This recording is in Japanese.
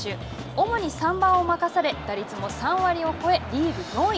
主に３番を任され、打率も３割を超えリーグ４位。